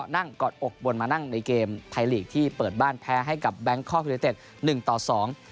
นั่งกอดอกบนมานั่งในเกมไทยลีกที่เปิดบ้านแพ้ให้กับแบงค์คอพิเศษเต็ด๑๒